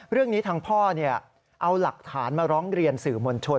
เรื่องนี้ทางพ่อเอาหลักฐานมาร้องเรียนสื่อมวลชน